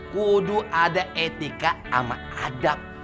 kudu ada etika sama adab